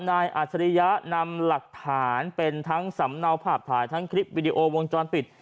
อาจริยะนำหลักฐานเป็นทั้งสำเนาภาพถ่ายทั้งคลิปวิดีโอวงจรปิด